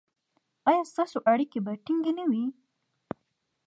ایا ستاسو اړیکې به ټینګې نه وي؟